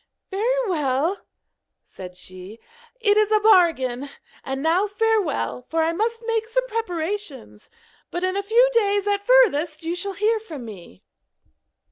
'Very well,' said she, 'it is a bargain; and now farewell, for I must make some preparations; but in a few days at furthest you shall hear from me.'